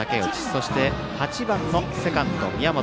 そして、８番のセカンド、宮本。